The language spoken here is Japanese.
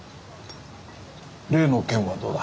例の件はどうだ？